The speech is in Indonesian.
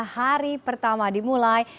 hari pertama dimulai